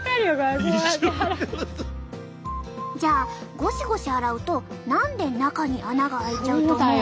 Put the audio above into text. じゃあゴシゴシ洗うと何で中に穴があいちゃうと思う？